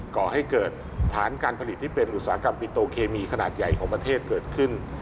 ก่อให้เกิดฐานการผลิตที่เป็นอุตสาหกรรมปิโตเคมีขนาดใหญ่ของประเทศเกิดขึ้น